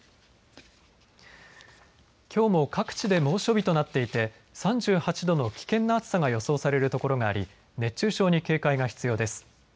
きょうも各地で猛暑日となっていて３８度の危険な暑さが予想されるところがあり熱中症に警戒が必要です。